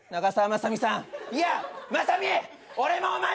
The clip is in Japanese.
まさみ！